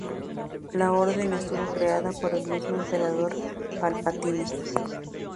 La orden estuvo creada por el mismo Emperador Palpatine.